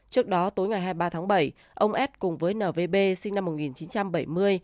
trước đó tối ngày hai mươi ba tháng bảy ông s cùng với n v b sinh năm một nghìn chín trăm bảy mươi